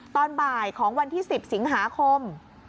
ตอนบ่ายของวันที่๑๐สิงหาคม